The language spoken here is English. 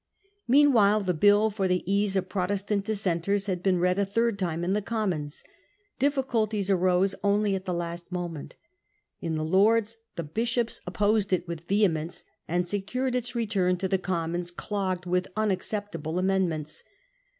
Meanwhile the bill for the ease of Protestant Dissenters had been read a third time in the Commons. Difficulties Loss of the arose only at the last moment. In the Lords easeof the ^^ S ^°P S opposed it with vehemence, and Protestant secured its return to the Commons clogged Dissenters, w ith unacceptable amendments.